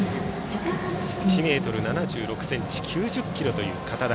１ｍ７６ｃｍ９０ｋｇという堅田。